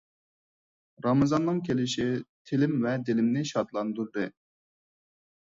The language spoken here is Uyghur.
رامىزاننىڭ كېلىشى تىلىم ۋە دىلىمنى شادلاندۇردى.